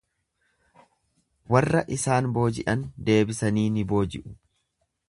Warra isaan booji’an deebisanii ni booji’u.